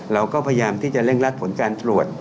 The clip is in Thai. เราก็พยายามที่จะเร่งรัดผลการตรวจ